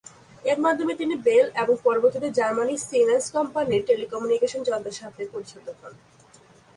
এর মাধ্যমে তিনি বেল এবং পরবর্তিতে জার্মানীর সিমেন্স কোম্পানীর টেলিকমিউনিকেশন যন্ত্রের সাথে পরিচিত হন।